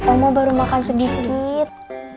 om baru makan sedikit